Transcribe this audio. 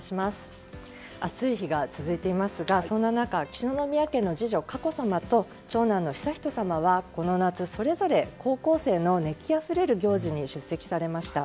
暑い日が続いていますがそんな中、秋篠宮家の次女佳子さまと長男の悠仁さまはそれぞれこの夏高校生の熱気あふれる行事に出席されました。